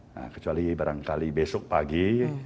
nah kecuali barangkali besok pagi